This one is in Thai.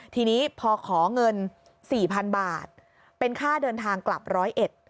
ทีนี้พอขอเงินสี่พันบาทเป็นค่าเดินทางกลับร้อยเอ็ด